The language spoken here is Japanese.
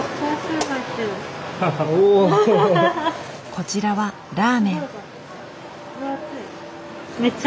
こちらはラーメン。